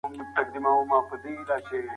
A ګروپ ماهیان هم خوړلی شي.